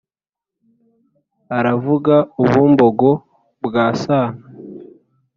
Aravuga Ubumbogo bwa Sano